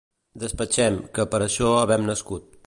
Despatxem, que per això havem nascut